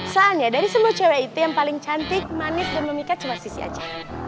soalnya dari semua cewek itu yang paling cantik manis dan memikat cuma sisi aja